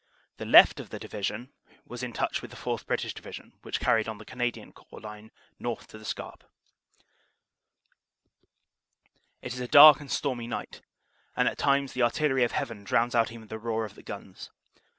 The left of the Division was in touch with the 4th. British Division, which carried on the Canadian Corps line north to the Scarpe. It is a dark and stormy night and at times the artillery of heaven drowns out even the roar of the guns.